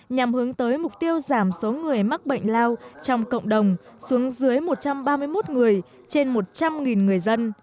nhằm hướng tới mục tiêu giảm số người mắc bệnh lao trong cộng đồng xuống dưới một trăm ba mươi một người trên một trăm linh người dân